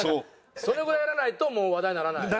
そのぐらいやらないともう話題にならない。